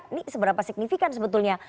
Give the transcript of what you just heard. ini seberapa signifikan sebetulnya